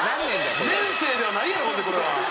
年生ではないやろほんでこれは。